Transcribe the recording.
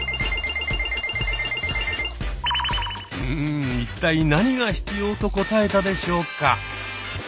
うん一体何が必要と答えたでしょうか？